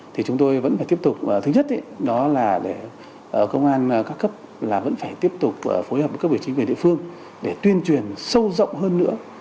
thì chúng tôi vẫn phải tiếp tục thứ nhất đó là để công an các cấp vẫn phải tiếp tục phối hợp với các vị chính quyền địa phương để tuyên truyền sâu rộng hơn nữa